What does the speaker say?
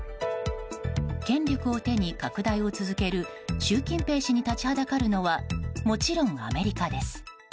権力を手に拡大を続ける習近平氏に立ちはだかるのはもちろん、アメリカです。